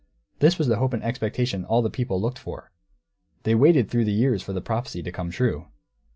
This was the hope and expectation all the people looked for; they waited through the years for the prophecy to come true.